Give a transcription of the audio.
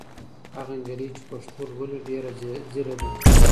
هغه نجلۍ چې پښتو لولي ډېره ځېره ده.